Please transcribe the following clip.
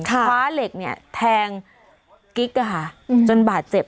ฟ้าเหล็กแทงกิ๊กจนบาดเจ็บ